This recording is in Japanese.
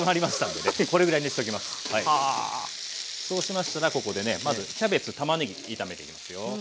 そうしましたらここでねまずキャベツたまねぎ炒めていきますよ。